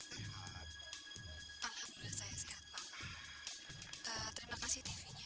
terima kasih tv nya